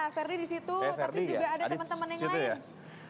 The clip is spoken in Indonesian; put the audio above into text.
verdi di situ tapi juga ada teman teman yang lain